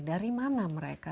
dari mana mereka